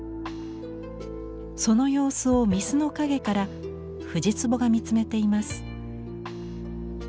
その様子を御簾の陰から藤壺が見つめています。